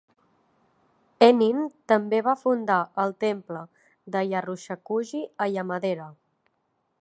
Ennin també va fundar el temple de Ryushakuji a Yamadera.